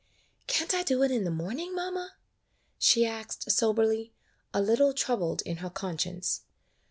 "Can't I do it in the morning, mamma?" she asked, soberly, a little troubled in her con science.